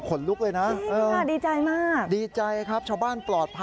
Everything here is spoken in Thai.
ลุกเลยนะดีใจมากดีใจครับชาวบ้านปลอดภัย